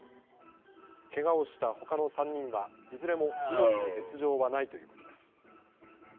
けがをしたほかの３人はいずれも命に別状はないということです。